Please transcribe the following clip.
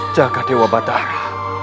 jaga dewa batara